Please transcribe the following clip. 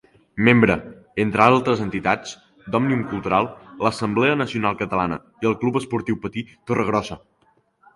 Membre, entre altres entitats, d'Òmnium Cultural, l'Assemblea Nacional Catalana i el Club Esportiu Patí Torregrossa.